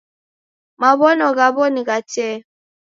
Maw'ono ghaw'o ni gha tee.